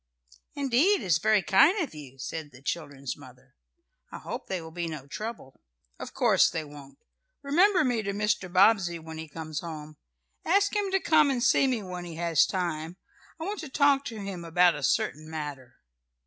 "Indeed it is very kind of you," said the children's mother. "I hope they will be no trouble." "Of course they won't. Remember me to Mr. Bobbsey when he comes home. Ask him to come and see me when he has time. I want to talk to him about a certain matter."